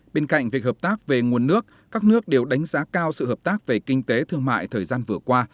bên cạnh việc hợp tác về nguồn nước các nước đều đánh giá cao sự hợp tác về kinh tế thương mại thời gian vừa qua